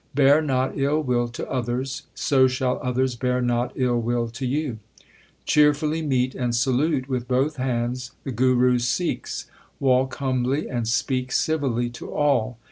Bear not ill will to others, so shall others bear not ill will to you. Cheer fully meet and salute with both hands the Guru s Sikhs. Walk humbly and speak civilly to all.